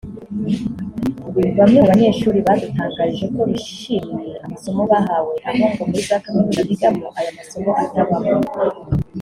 Bamwe mu banyeshuri badutangarije ko bishimiye amasomo bahawe aho ngo muri za kaminuza bigamo aya masomo atabamo